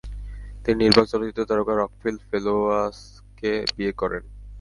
তিনি নির্বাক চলচ্চিত্র তারকা রকলিফ ফেলোয়াসকে বিয়ে করেন।